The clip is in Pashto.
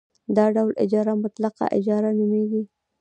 دا ډول اجاره مطلقه اجاره نومېږي